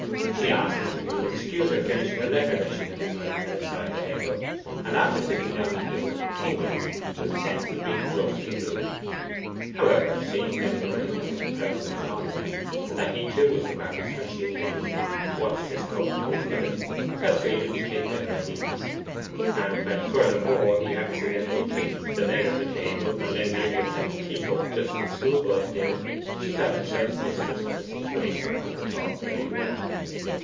She asked him if he would excuse her finishing a letter she had been writing at a side table, and, after sitting down to it, tingled with a sense of being grossly rude. However, seeing that he noticed nothing personally wrong in her, and that he too was embarrassed when she attentively watched his cup to refill it, Elfride became better at ease; and when furthermore he accidentally kicked the leg of the table, and then nearly upset his tea cup, just as schoolboys did, she felt herself mistress of the situation, and could talk very well.